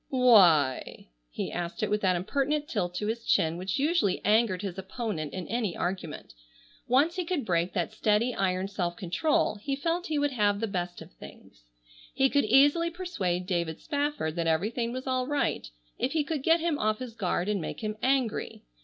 "Why?" He asked it with that impertinent tilt to his chin which usually angered his opponent in any argument. Once he could break that steady, iron, self control he felt he would have the best of things. He could easily persuade David Spafford that everything was all right if he could get him off his guard and make him angry.